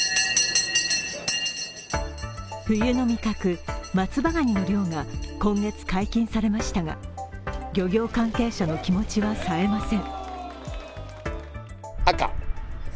冬の味覚松葉ガニの漁が今月解禁されましたが、漁業関係者の気持ちは冴えません。